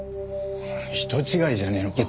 人違いじゃねえのか？